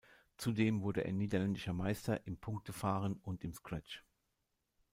Zudem wurde er niederländischer Meister im Punktefahren und im Scratch.